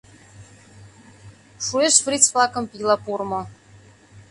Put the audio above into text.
Шуэш фриц-влакым пийла пурмо